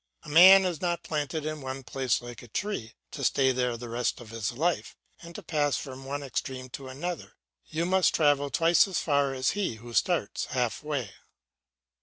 A man is not planted in one place like a tree, to stay there the rest of his life, and to pass from one extreme to another you must travel twice as far as he who starts half way.